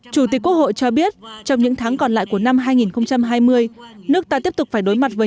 chủ tịch quốc hội cho biết trong những tháng còn lại của năm hai nghìn hai mươi nước ta tiếp tục phải đối mặt với